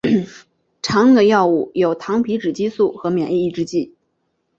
常用的药物有糖皮质激素和免疫抑制剂。